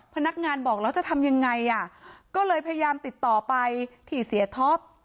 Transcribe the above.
พนักงานบอกแล้วจะทำยังไงอ่ะก็เลยพยายามติดต่อไปที่เสียท็อป